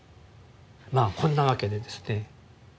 まあこんなわけでですね